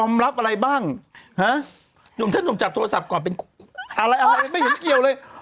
อมรับอะไรบ้างหาจับโทรศัพท์ก่อนอะไรอะไรกระทงเกี่ยวเลย